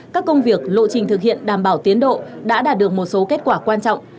các công việc lộ trình thực hiện đảm bảo tiến độ đã đạt được một số kết quả quan trọng